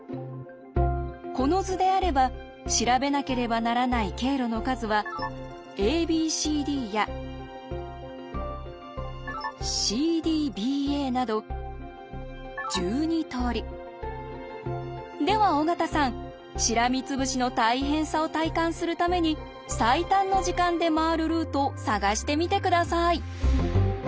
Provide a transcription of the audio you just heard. この図であれば調べなければならない経路の数はＡＢＣＤやＣＤＢＡなどでは尾形さんしらみつぶしの大変さを体感するために最短の時間で回るルートを探してみて下さい。